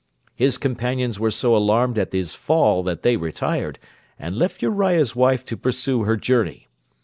His companions were so alarmed at his fall that they retired, and left Uriah's wife to pursue her journey.